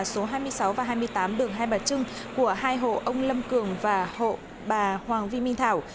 số hai mươi sáu và hai mươi tám đường hai bà trưng của hai hộ ông lâm cường và hộ bà hoàng vi minh thảo